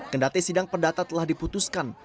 kendati sidang perdata telah diputuskan